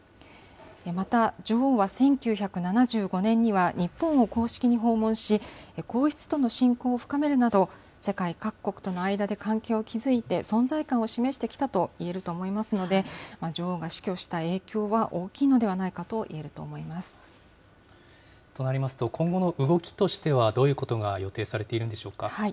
また、女王は１９７５年には日本を公式に訪問し、皇室との親交を深めるなど、世界各国との間で関係を築いて、存在感を示してきたといえると思いますので、女王が死去した影響は大きいのではないかといえるととなりますと、今後の動きとしてはどういうことが予定されているんでしょうか。